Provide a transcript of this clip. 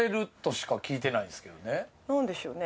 なんでしょうね？